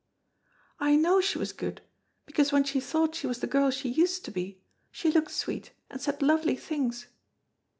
"I know she was good, because when she thought she was the girl she used to be, she looked sweet and said lovely things."